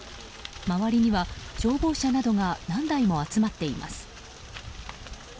周りには消防車などが何台も集まっています。